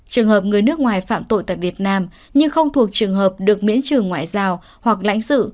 trường hợp người nước ngoài phạm tội tại việt nam nhưng không thuộc trường hợp được miễn trưởng ngoại giao hoặc lãnh sự